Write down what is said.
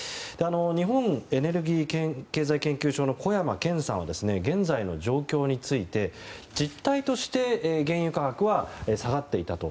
日本エネルギー経済研究所の小山堅さんは現在の状況について実態として原油価格は下がっていたと。